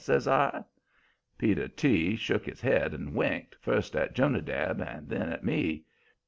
says I. Peter T. shook his head and winked, first at Jonadab and then at me.